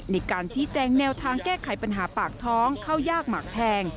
ในการชี้แจงแนวทางแก้ไขปัญหาปากท้องเข้ายากหมากแพง